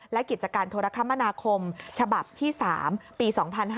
และกิจการโทรคมนาคมฉบับที่๓ปี๒๕๕๙